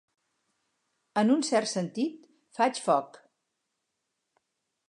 En un cert sentit, faig foc.